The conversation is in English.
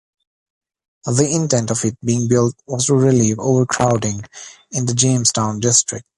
The intent of it being built was to relieve overcrowding in the Jamestown district.